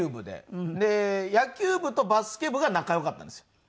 で野球部とバスケ部が仲良かったんですよ。